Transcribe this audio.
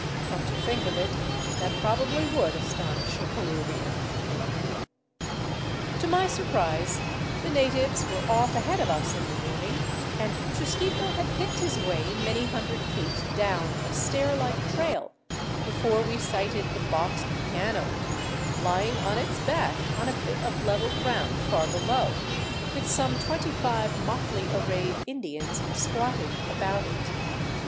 Come to think of it, that probably would astonish a Peruvian. To my surprise the natives were off ahead of us in the morning, and Chusquito had picked his way many hundred feet down a stair like trail before we sighted the boxed piano, lying on its back on a bit of level ground far below, with some twenty five motley arrayed Indians squatted about it.